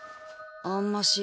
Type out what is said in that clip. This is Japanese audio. あんまし。